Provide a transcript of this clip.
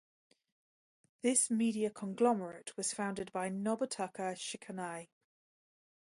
This media conglomerate was founded by Nobutaka Shikanai.